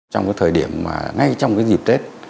trong cái thời điểm mà ngay trong cái dịp tết